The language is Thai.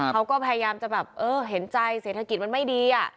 เขาก็พยายามจะแบบเออเห็นใจเศรษฐกิจมันไม่ดี